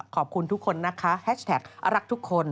ขอบคุณทุกคนนะคะแฮชแท็กรักทุกคน